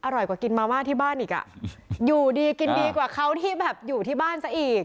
อร่อยกว่ากินมาม่าที่บ้านอีกอ่ะอยู่ดีกินดีกว่าเขาที่แบบอยู่ที่บ้านซะอีก